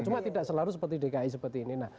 cuma tidak selalu seperti dki seperti ini